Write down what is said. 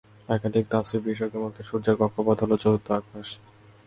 একাধিক তাফসীর বিশেষজ্ঞের মতে, সূর্যের কক্ষ পথ হলো চতুর্থ আকাশ।